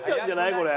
これ。